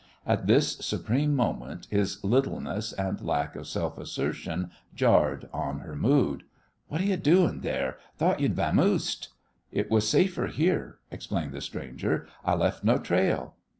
At this supreme moment his littleness and lack of self assertion jarred on her mood. "What're you doin' there? Thought you'd vamoosed." "It was safer here," explained the stranger, "I left no trail."